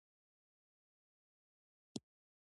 پسه د افغان ماشومانو د لوبو یوه موضوع ده.